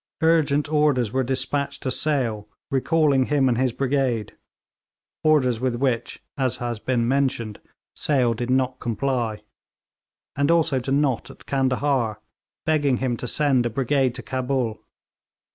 Urgent orders were despatched to Sale, recalling him and his brigade orders with which, as has been mentioned, Sale did not comply and also to Nott, at Candahar, begging him to send a brigade to Cabul.